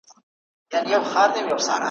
له قضا پر یوه کلي برابر سو ,